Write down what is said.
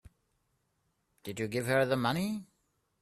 Did you give her the money?